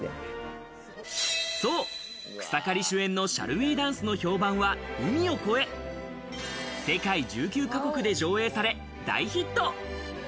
そう、草刈主演の『Ｓｈａｌｌｗｅダンス？』の評判は海を越え、世界１９か国で上演され大ヒット。